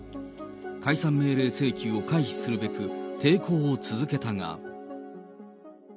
解散命令請求を回避するべく、抵抗を続けたが。